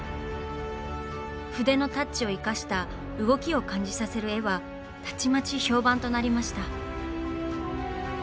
筆のタッチを生かした動きを感じさせる絵はたちまち評判となりました。